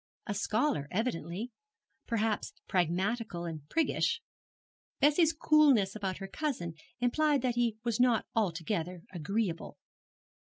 A scholar evidently perhaps pragmatical and priggish. Bessie's coolness about her cousin implied that he was not altogether agreeable.